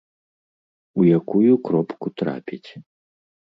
У якую кропку трапіць.